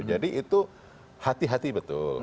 jadi itu hati hati betul